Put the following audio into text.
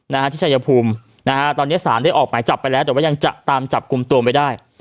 นะฮะที่ชายภูมินะฮะตอนเนี้ยสารได้ออกหมายจับไปแล้วแต่ว่ายังจะตามจับกลุ่มตัวไม่ได้